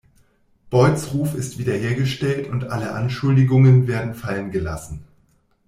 Boyds Ruf ist wiederhergestellt und alle Anschuldigungen werden fallen gelassen.